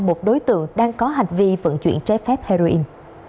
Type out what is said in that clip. một đối tượng đang có hành vi vận chuyển trái phép heroin